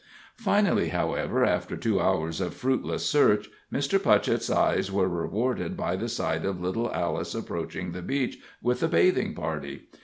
Finally, however, after two hours of fruitless search, Mr. Putchett's eyes were rewarded by the sight of little Alice approaching the beach with a bathing party.